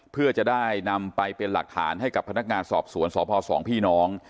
เพื่อจะได้นำไปเป็นหลักฐานให้กับพนักงานสอบสวนสพสองพี่น้อง